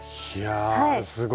すごい。